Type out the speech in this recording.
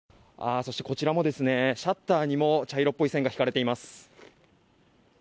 そして、こちらもシャッターにも茶色っぽい線が引かれています。